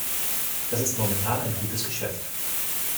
Das ist momentan ein gutes Geschäft.